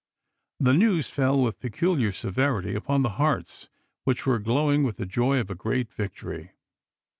The news fell with peculiar severity upon the hearts which were glowing with the joy of a great victory.